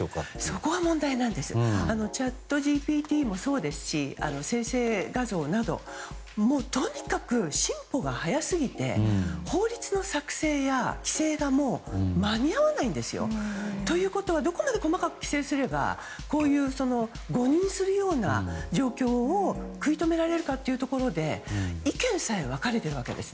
そこが問題でチャットＧＰＴもそうですし生成画像なども、とにかく進歩が速すぎて法律の作成や規制が間に合わないんですよ。ということはどこまで細かく規制すればこうした誤認するような状況を食い止められるかというところで意見さえ分かれているわけです。